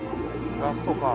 ラストか。